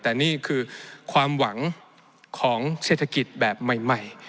แต่นี่คือความหวังของเศรษฐกิจแบบใหม่